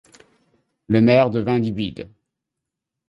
Le maire devint livide.